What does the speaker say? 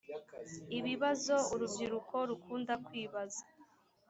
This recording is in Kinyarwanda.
ibibazo urubyiruko rukunda kwibaza